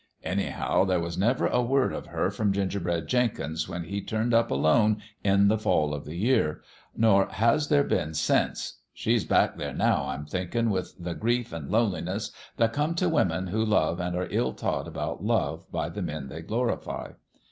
Anyhow, there was never a word 189 190 'The BOY HE USED to KNOW of her from Gingerbread Jenkins when he turned up alone in the fall o' the year ; nor has there been since. She's back there, now, I'm thinkin', with the grief an' loneliness that come t' women who love an' are ill taught about love by the men they glorify.